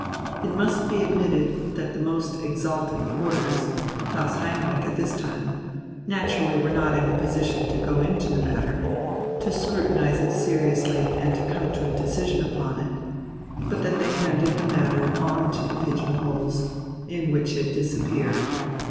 It must be admitted that the most exalted quarters Klaus Heinrich at this time naturally were not in a position to go into the matter, to scrutinize it seriously and to come to a decision upon it, but that they handed the matter on to the pigeon holes, in which it "disappeared."